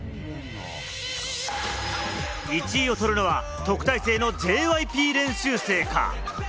１位をとるのは特待生のＪＹＰ練習生か？